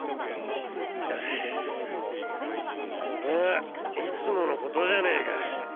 まぁいつものことじゃねえか。